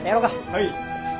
はい！